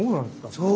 そう。